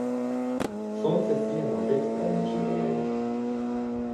Sonce sije na obeh straneh žive meje.